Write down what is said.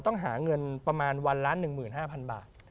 ต้องหาเงินประมาณวันละ๑๕๐๐๐บาท